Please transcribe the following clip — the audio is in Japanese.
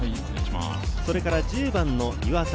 それから１０番の岩田。